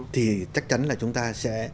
thì chắc chắn là chúng ta sẽ